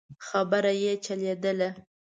خبره يې چلېدله.